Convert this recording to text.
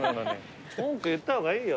文句言った方がいいよ。